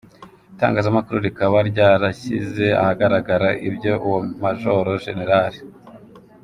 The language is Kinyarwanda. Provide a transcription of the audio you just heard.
Itangazamakuru rikaba ryarashyize ahagaragara ibyo uwo Majoro Jenerali.